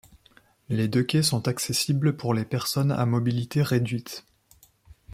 Les deux quais sont accessibles pour les personnes à mobilité réduite.